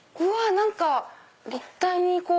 何か立体にこう。